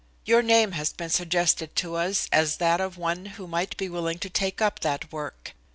Your name has been suggested to us as that of one who might be willing to take up the work.